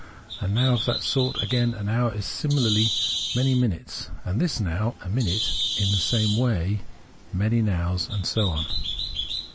A Now of that sort, again — an hour — is similarly many minutes ; and this Now — a minute — in the same way many Nows and so on.